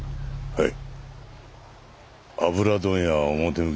はい。